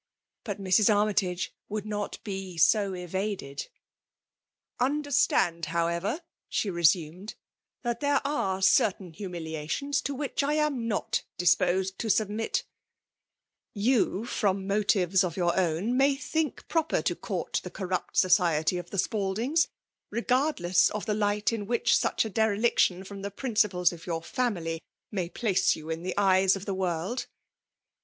But Mrs. Armytage would not be so evaded. " tJnderstand, however,'* — she resumed, —«<* that there are certain humiliations to whidi I am not disposed to submit You, from motives of your own, may think proper to <^ourt the corrupt spciety of the Spaldings, regardless of the light in which such m dereliction from the principleift oi your (amfly ihay place you in the eyes of the world.